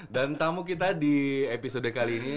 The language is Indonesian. dan tamu kita di episode kali ini